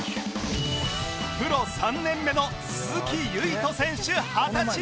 プロ３年目の鈴木唯人選手二十歳